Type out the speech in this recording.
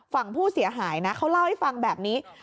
ฝั่งผู้เสียหายนะเขาเล่าให้ฟังแบบนี้